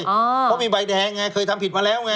เพราะมีใบแดงไงเคยทำผิดมาแล้วไง